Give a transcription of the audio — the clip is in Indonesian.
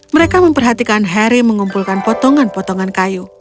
mereka memperhatikan harry mengumpulkan potongan potongan kayu